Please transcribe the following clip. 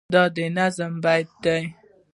د نظم بیت دی